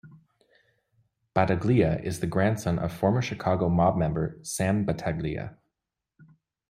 Battaglia is the grandson of former Chicago mob member Sam Battaglia.